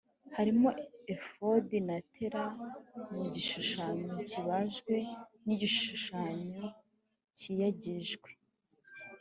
Harimo efodi na tera mu igishushanyo kibajwe n igishushanyo kiyagijwe